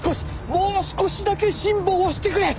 もう少しだけ辛抱をしてくれ！